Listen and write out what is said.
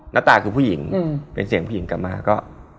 หน้าตาคือผู้หญิงเป็นเสียงผู้หญิงกลับมาก็